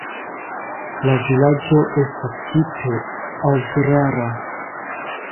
La vilaĝo estas tipe agrara.